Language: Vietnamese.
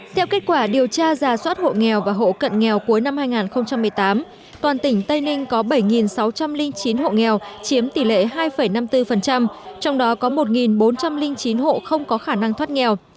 theo kết quả điều tra giả soát hộ nghèo và hộ cận nghèo cuối năm hai nghìn một mươi tám toàn tỉnh tây ninh có bảy sáu trăm linh chín hộ nghèo chiếm tỷ lệ hai năm mươi bốn trong đó có một bốn trăm linh chín hộ không có khả năng thoát nghèo